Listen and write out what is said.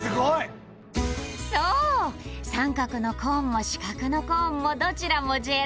三角のコーンも四角のコーンもどちらもジェラート用！